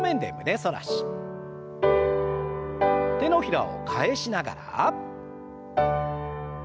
手のひらを返しながら。